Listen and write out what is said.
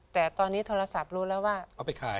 แต่ตอนนี้โทรศัพท์รู้แล้วว่าเอาไปขาย